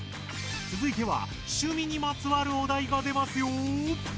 つづいては趣味にまつわるお題が出ますよ。